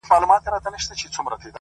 مثبت ذهن نوې دروازې ویني,